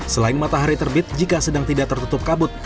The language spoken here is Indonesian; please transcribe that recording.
selain matahari terbit jika sedang tidak tertutup kabut